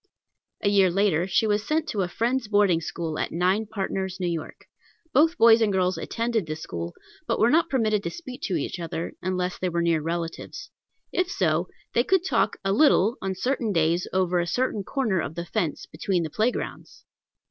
A year later, she was sent to a Friends' boarding school at Nine Partners, N.Y. Both boys and girls attended this school, but were not permitted to speak to each other unless they were near relatives; if so, they could talk a little on certain days over a certain corner of the fence, between the playgrounds!